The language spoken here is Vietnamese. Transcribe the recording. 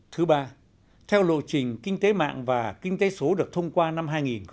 thứ ba theo lộ trình kinh tế mạng và kinh tế số được thông qua năm hai nghìn một mươi năm